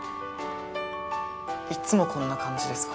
いつもこんな感じですか？